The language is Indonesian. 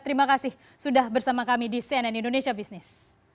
terima kasih sudah bersama kami di cnn indonesia business